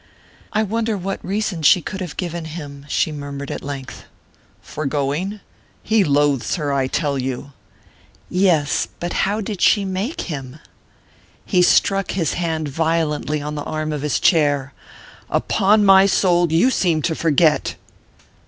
"I wonder what reason she could have given him?" she murmured at length. "For going? He loathes her, I tell you!" "Yes but how did she make him?" He struck his hand violently on the arm of his chair. "Upon my soul, you seem to forget!"